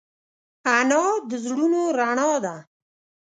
انا د زړونو رڼا ده